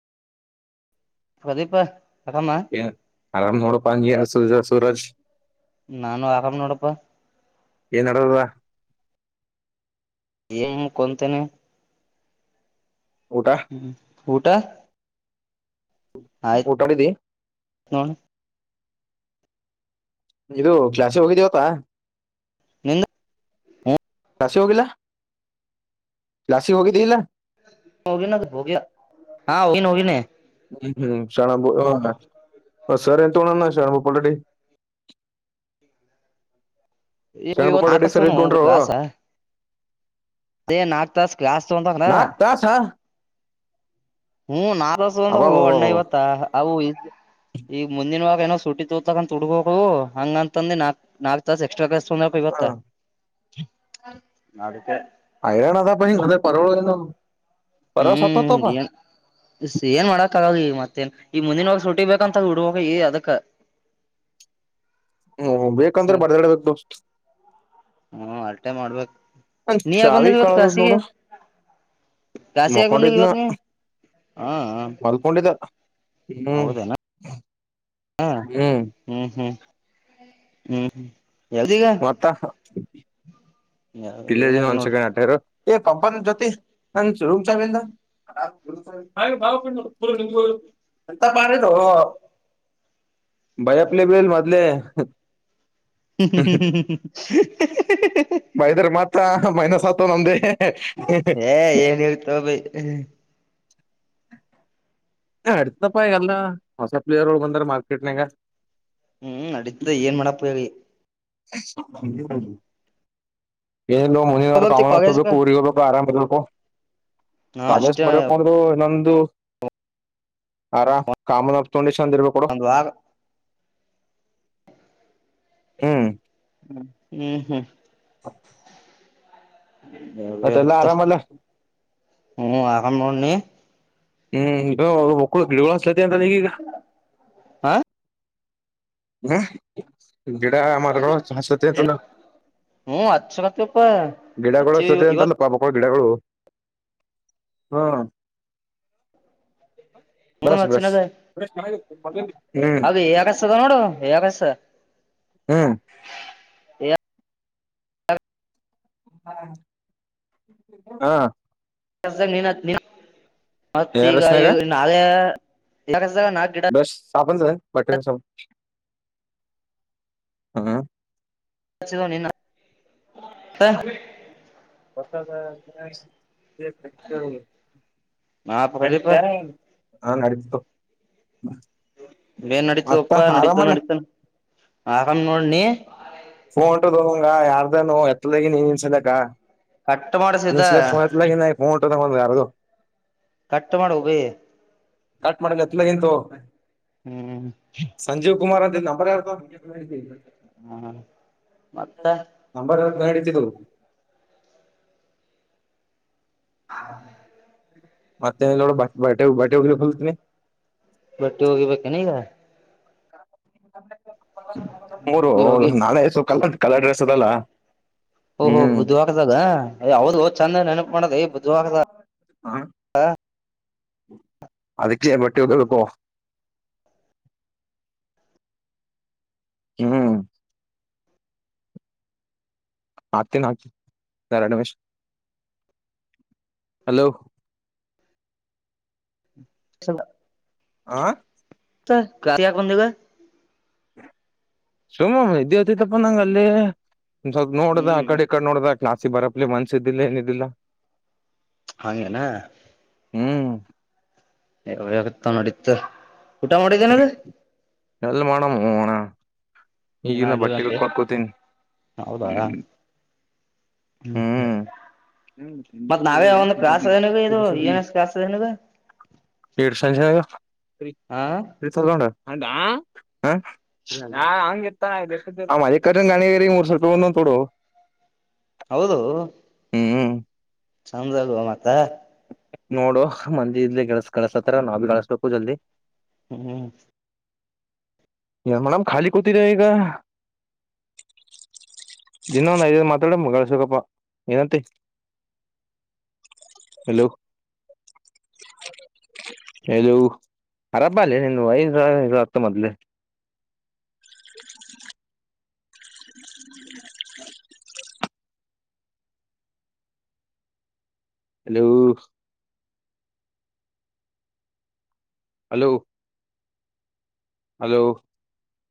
ಪ್ರದೀಪ. ಆರಾಮ ಏ ಆರಾಮ್ ನೋಡಪ್ಪ [unintelligible] ಸೂರಜ್. ನಾನು ಆರಾಮ್ ನೋಡಪ್ಪ. ಏನ್ ನಡೆದಾದ. ನು ಕೊಂತನೆ ಊಟ ಊಟ ಆಯ್ತ್ ಊಟ ಮಾಡಿಡಿ ನೋಡ್ ಇದು ಕ್ಲಾಾಸಿಗೆ ಹೋಗಿದೇವತಾ ನಿಂದು ಹೋಗಿಲ್ಲಾ ಕ್ಲಾಸ್ ಗೆ ಹೋಗಿಿದ್ದ ಇಲ್ಲಾ ಹೋಗಿನ ಹೋಗಿ ಹಾ ಹೋಗಿನ ಹೋಗಿನಿ ಸರ್ ತೋಣ ಶ್ಯಾಮಬೂಪಳಡಿ ಇ ನಾಕಸ್ ತಗೊಂಡ್ರು ಆಸಾ ಅೇ ನಾಕ ದಸ್ಸ್ ತಂತ ನಾಕ್ ತಾಸ ಹೂ ನಾ ಒ ಹ ಅಣ್ಣ ಅಬ್ಬಬ್ಬಬ್ಬ ಇವತ್ತಾ ಅವು ಈ ಈಗ ಮುಂದಿನವಾಗ ಏನೋ ಸುಟ್ಟಿ ತೋತಕಂತ ತುಗಕ ಹೋಗವು ಹಂಗಂತಂದು ನಾಕ್ ನಾಲ್ಕ್ು ತಾಸ ಎಕ್ಸ್ಟ್ರಾ ಕ ಸನ್ನೆ ಕ ಬತ್ತ ಅದಕ್ಕೆ ಹೈರಾಣ ಅದಪ್ಪ ಹಿಂಗ ಪರವಳ ಹೂ ಪರ್ವ ಸತ್ತತ್ತಪ್ಪ ಏನ್ ಮಾಡಕ್ಕೆ ಆಗಲ್ಲ ಮತ್ತೇ ಈ ಮುಂದಿನವಾಗ ಹ್ಹೂ ಬೇಕಂದ್ರೆ ಬರ್ದಾಡ್ಬೇಕೇಕು ಹೂ ಅಲ್ಟೆ ಮಾಡ್ಬೇಕ ನನ್ ನೀ ಯಾಕ್ ಚಾವಿ ಬಂದಿಲ್ಲ ಕಳದದ್ ಕ್ಲಾಸ್ಗೇ ನೋಡು ಕ್ಲಾಸ್ ಯಾಕ್ ಬಂದಿಲ್ಲ ಮಕೊಂಡಿದ್ನ ಇವತ್ತು ಮಲ್ಕೊಂಡಿದ್ದ ಹ್ಮ್ ಹ ಹ್ಮ್ ಹೂ ಹೂ ಹೂ ಮತ್ತಾ ಪಿೇ ಜ ಏನ ಒನ್ ನೋಡ್ ಸೆಕೆಂಡ್ ಆಟರ ಎ ಕಂಪನ್ ಜೊತಿ ರೂಮ ಚ ಎಂತ ಪಾರ ಬರಪ್ಲೆ ಬೆಲ್ ಮದಲೆ ಹ್ಮ್ ಹ್ಮ್ ಹ್ಮ್ ಹ್ಮ್ ಹ್ಮ್ ಹ್ಮ್ ಹೂ ಬೈದ್ರ ಮತ್ರ ಮೈನಸ್ ಆತ್ತ ನಮ್ದೇ ಹ ಏ ಏನ್ ಹೇಳ್ತಾವ ಭೈ ಅಡ್ತದಪ್ಪಾಯಗಲ್ಲ ಹೊಸ ಪ್ಲೇಯರ್ ಒಳ ಬಂದಾರೆ ಮಾರ್ಕೆಟ್ನಂಗ ಹೂ ನಡೀತ ಏನ್ ಮಾಡಪ್ಪ ಹೇಳಿ ಹ ಎನೋ ಮುನಿವರ ಹೋಗ್ತಿ ಕಾಮನ ಕಾಲೇಜ್ ಹಾ ಪೂರಿಗಗಳುಬೇಕ ಆರಾಮಭ ಹಾ ಕಾಲೇಜು ಅಷ್ಟೇ ಬರಕ ಅದರ ಇಂದ ದ ಆರ ಕಾಮ ನಪ್ತೊಂಡ ಚಂದ್ರಬೇಕ ಕೊಡ ಒಂದ್ ವಾರ ಹ್ಮ್ ಹ್ಮ್ ಹ್ಮ್ ಹ್ಮ್- ಹಫ. ಹತ್ತ ಹ್ಮ್ ಆಗ ನೋಡ ನಿ ಹ್ಮ್ ಬಳ ಗಿಗಳುಳ ಅಂತಾ ನೀಗ ಹಾ ಹ್ಮ್ ಗಿಡಾ ಮರಗಳು ಹ ಸತಿ ಅಂತಲ್ಲ ಹ್ಮ್ ಹಚ್ಚಕತ್ತಪ್ಪ ಗಿಡಗಳು ಹಚ್ಚಿ ಸತೆ ಅಂತಲ್ಲ ಇವತ್ ಪಾಪಗಳು ಗಿಡಗಳು ಹ್ಮ್ ಬ್ರಶ್ ಬ್ರಶ್ ಹಚ್ಚಿನದ ಬ್ರಶ್ ಮನೆಯಾಗಿದೆ ತಂದಿಲ್ಲ ಇಲ್ಲ ಬ ಹ್ಮ್ ಹ ಹೆರಸ ಹಾ ಎಸ ನಿನ ಮತ್ತ ಈಗ ರಸ್ನಾಗ ಈಗ ನಾಳೆ ಯ ನಾಕ ಗಿಡ ಪಾಪನ್ ಬಟ್ಟ ಸ ಹ್ಮ್ [unintelligible] ತ್ತ ಹೊಸದ ನಾ ಪ್ರದೀಪ ಅಡತಾರ ಆನ್ ನಡಿತಿತ್ತು ಏನ್ ನಡೀತಪ್ಪಾ ನಡತು ಆರಾಮಲ್ಲ ನಡತ ಆರಾಮ್ ನೋಡಿ ನೀ ಫೋನ್ ಉಂಟು ಹೋಂಗ ಯಾರ್ದೇನು ಎತ್ತದಗಿ ನೀನ್ ನಿನ್ಸಲಕ್ಕ ಕಟ್ ಮಾಡಸಿದ್ದ ಇನ್ಸ್ಲ ಪಯತಲ ನೋ ಕೊಟ್ಟ ಹೋಗ ಯಾರದು ಕಟ್ ಮಾಡಿ ವಗಿ ಕಟ್ ಮಾಡಂಗ ಅತ್ಲ ಎಂತು ಹ್ಮ್ ಸಂಜೀವ್ ಕುಮಾರ್ ಅಂತ ನಂಬರ ಯಾರದು ಹ ಮತ್ತೆ ನಡೀತಿದ್ದು ಹ ಮತ್ತೆ ಏನಿಲ್ಲ ನೋಡಪ್ಪ. ಬಟ್ಟೆ ಹೋಗ ಬೇಕ್ ಏನ್ ಇಗ. ಹ್ಮ್ಮ್. ಮೂರು ಇಲ್ಲಿ ಹೋಗಿ ನಾಳೆ ಸು ಕಲ್ಲ. ಕಲರ್ ಡ್ರೆಸ್ ಅದಲ್ಲ. ಓಹೋ ಹ್ಮ್ ಬದುವರದ ಹೇ ಹೌದ್ [unintelligible] ಚಂದ ನನ. ಹಾ. ಅದಕ್ಕೆ ಬಟ್ಟಿ ವಾಗಿಬೆಕ್ಕು. ಹ್ಮ್. ಅತಿನಿ ಅತ್ ಎರೆಡು ನಿಮಿಷ ಹಲೋ. ಚಲ. ಆ. ಕತ್ತ ಆಕಂದಗ [unintelligible] ಸುಮ ಇದ್ಯತಿ ತಪ್ಪ ನಂಗ ಅಲ್ಲಿ. ಸ್ವಲ್ ನೋಡ್ದ ಹ್ಮ್ ಕಡೆ ಕಡೆ ನೋಡ್ದ. ಕ್ಲಸಿ ಬರಪಲಿ ಮನ್ಸ ಇದಿಲ್ಲ ಏನಿದಿಲ್ಲ. ಹಂಗನಾ. ಹ್ಮ್. ಎ ತೊಂಡ ಅಡಿತ. ಊಟ ಮಾಡಿದ್ದನ ರ. ಎಲ್ ಮಾಡೋಮೋ ಅಣ್ಣ. ಇನ್ನ ಈಗಿನ ಆಗಿಲ್ಲ ಬಟ್ಟಿ ಅಂತೆ ಹೋಗಿಯಾಕ್ ಕೂತಿನಿ ಹ್ಮ. ಹ್ಮ ಮತ್ ನಾವೇ ಒಂದು ಕಾಸದನಗ ಇದು ಯನ್ ಎಸ್ ಕಾಸದನಗ ಹಾ ಹೌದಾ ಹಾ ಹಂಗಗೆ. ೆ ಕಠನ್ ಗಾಣಿ ವ ಮೂರುಸಕ ತೊಡೋ. ಹೌದು. ಹ್ಮ್. ಚಂದ ಅಲ್ುವ ಮಾತ್ತ.. ನೋಡು ಮಂದಿ ಇಲಿ ಳಸ ಕಳಸತ್ತಾರ ನಾವ ಭೀ ಕಳಸ್ಬೇಕು ಜಲ್ದಿ. ಹ್ಮ್್ಮ. ಮೇಡಮ್ ಖಾಲಿ ಕೂತಿದ್ದ ಈಗ ದಿನ ಒಂದ ಐದ ಮಾತಾಡಳ್ಸಕಪ್ಪ ಏನಂತಲೋಲೋ ಅರಬ ಅಲ್ಲ ನಿ ಐದ್ ಸಾವ ಹತ್ತ ಮೊದ್ಲೆ. ಹ್ಮ್ಮ್. ಹಲೋ. ಹಲೋ. ಹಲೋ.